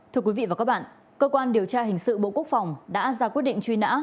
thưa quý vị và các bạn cơ quan điều tra hình sự bộ quốc phòng đã ra quyết định truy nã